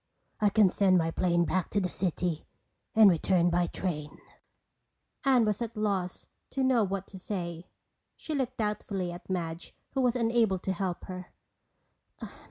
I can send my plane back to the city and return by train." Anne was at a loss to know what to say. She looked doubtfully at Madge who was unable to help her.